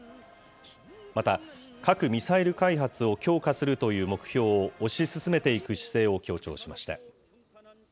また、核・ミサイル開発を強化するという目標を推し進めていく姿勢を強調しました。